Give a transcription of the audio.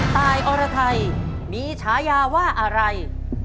ตายอรไทยมีฉายาว่าอะไร